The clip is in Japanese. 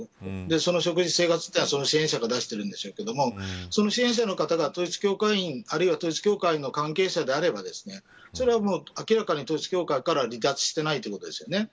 その食事、生活は支援者が出しているんでしょうけどもその支援者の方が統一教会のあるいは統一教会の関係者であればそれは、明らかに統一教会から離脱していないということですよね。